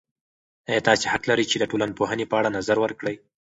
ایا تاسې حق لرئ چې د ټولنپوهنې په اړه نظر ورکړئ؟